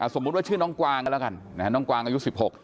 สมมุติว่าชื่อน้องกวางกันแล้วกันน้องกวางอายุ๑๖